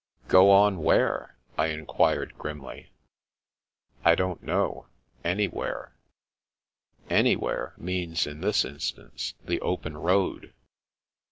" Go on where? " I enquired grimly. " I don't know. An)rwhere." "* Anjrwhere ' means in this instance the open road."